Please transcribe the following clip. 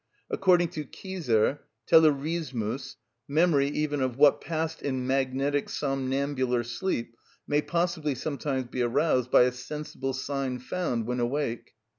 According to Kieser, "Tellurismus," Bd. ii. § 271, memory even of what passed in magnetic somnambular sleep may possibly sometimes be aroused by a sensible sign found when awake.